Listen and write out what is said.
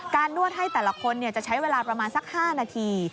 นวดให้แต่ละคนจะใช้เวลาประมาณสัก๕นาที